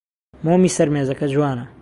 مۆمی سەر مێزەکە جوانە.